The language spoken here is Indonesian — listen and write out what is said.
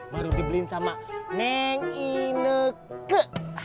baru dibeliin sama meng ineke